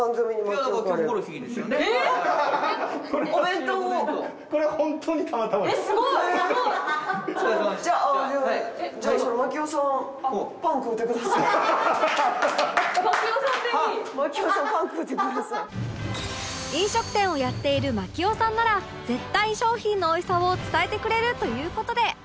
飲食店をやっている槙尾さんなら絶対商品のおいしさを伝えてくれるという事で